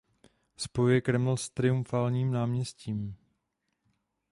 Spojuje Kreml s Triumfálním náměstím.